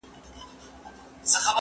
زه او ته یو په قانون له یوه کوره